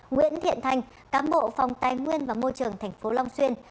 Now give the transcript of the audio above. nguyễn thiện thanh cám bộ phòng tài nguyên và môi trường tp long xuyên